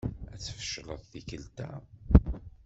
Ad tfecleḍ tikkelt-a.